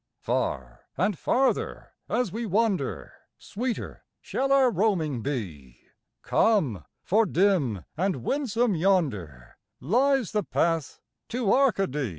Far and farther as we wander Sweeter shall our roaming be. Come, for dim and winsome yonder Lies the path to Arcady!